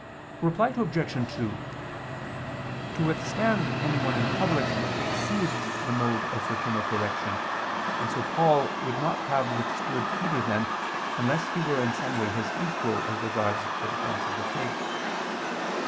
Reply Obj. 2: To withstand anyone in public exceeds the mode of fraternal correction, and so Paul would not have withstood Peter then, unless he were in some way his equal as regards the defense of the faith.